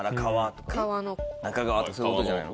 そういうことじゃないの？